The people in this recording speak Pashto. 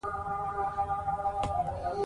ځمکنی شکل د افغانستان د جغرافیوي تنوع مثال دی.